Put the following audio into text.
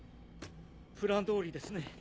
プラン通りですね。